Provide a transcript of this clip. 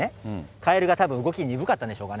カエルがたぶん、動き鈍かったんでしょうかね。